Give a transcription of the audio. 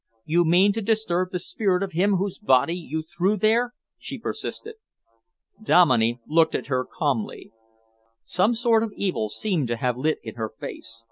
"You mean to disturb the spirit of him whose body you threw there?" she persisted. Dominey looked at her calmly. Some sort of evil seemed to have lit in her face.